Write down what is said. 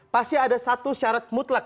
pasti ada satu syarat mutlak